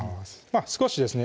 少しですね